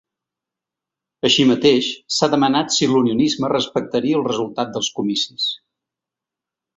Així mateix, s’ha demanat si l’unionisme respectaria el resultat dels comicis.